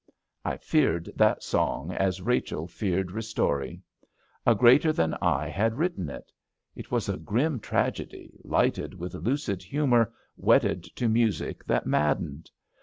*' T feared that song as Bachel feared Bistori. A greater than I had written it. It was a grim tragedy, lighted with lucid humour, wedded to music that maddened.